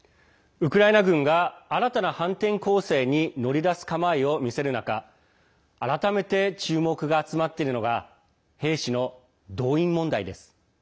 ウクライナ軍が新たな反転攻勢に乗り出す構えを見せる中改めて注目が集まっているのが兵士の動員問題です。